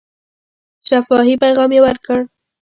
شفاهي پیغام یې ورکړ.